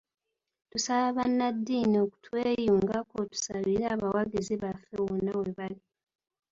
Tusaba bannaddiini okutweyungako tusabire abawagizi baffe wonna webali.